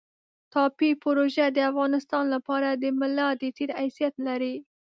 ټاپي پروژه د افغانستان لپاره د ملا د تیر حیثیت لري